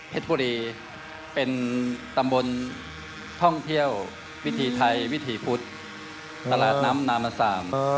บุรีเป็นตำบลท่องเที่ยววิถีไทยวิถีพุทธตลาดน้ำนามสาม